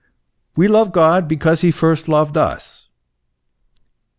" We love God because he first loved us."